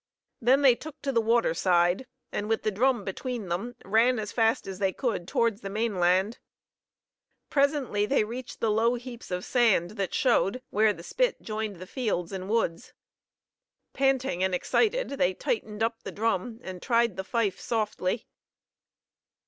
Then they took to the water side, and, with the drum between them, ran as fast as they could towards the mainland. Presently they reached the low heaps of sand that showed where the spit joined the fields and woods. Panting and excited, they tightened up the drum and tried the fife softly.